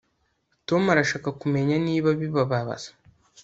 Tom arashaka kumenya niba bibabaza